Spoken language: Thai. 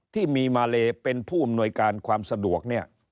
ที่มีมาเลเป็นผู้อำนวยการความสะดวกเนี่ย